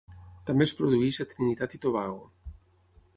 També es produeix a Trinitat i Tobago.